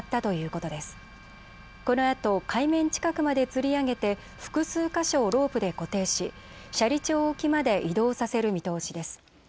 このあと海面近くまでつり上げて複数箇所をロープで固定し、斜里町沖まで移動させる見通しです。